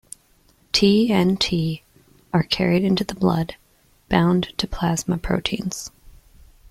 T and T are carried in the blood, bound to plasma proteins.